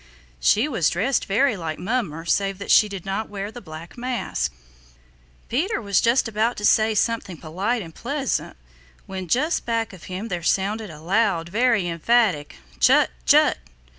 She was dressed very like Mummer save that she did not wear the black mask. Peter was just about to say something polite and pleasant when from just back of him there sounded a loud, very emphatic, "Chut! Chut!"